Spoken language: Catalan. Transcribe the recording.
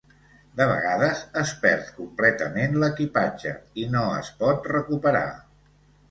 De vegades, es perd completament l'equipatge i no es pot recuperar.